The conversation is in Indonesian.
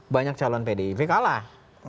banyak calon pdip kalah